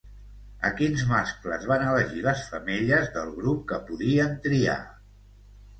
A quins mascles van elegir les femelles del grup que podien triar?